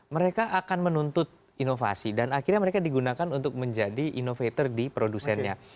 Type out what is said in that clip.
mereka akan menuntut inovasi dan akhirnya mereka digunakan untuk menjadi innovator di produsennya